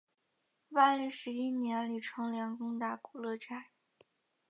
万历十一年李成梁攻打古勒寨。